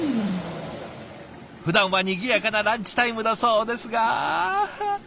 ふだんはにぎやかなランチタイムだそうですが。